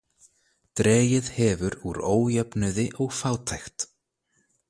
Dregið hefur úr ójöfnuði og fátækt.